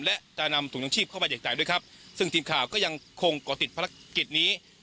และจะนำถุงยังชีพเข้ามาแจกจ่ายด้วยครับซึ่งทีมข่าวก็ยังคงก่อติดภารกิจนี้